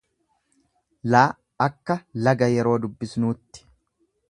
l akka laga yeroo dubbisnuutti.